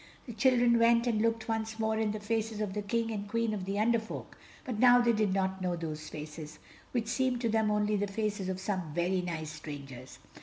The children went, and looked once more in the faces of the King and Queen of the Under Folk, but now they did not know those faces, which seemed to them only the faces of some very nice strangers.